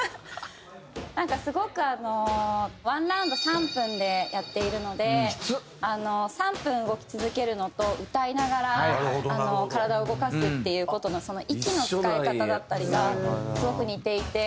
なんかすごくあの１ラウンド３分でやっているので３分動き続けるのと歌いながら体を動かすっていう事のその息の使い方だったりがすごく似ていて。